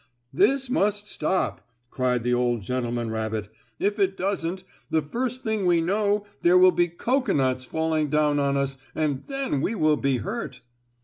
"This must stop!" cried the old gentleman rabbit. "If it doesn't, the first thing we know there will be cocoanuts falling down on us and then we will be hurt."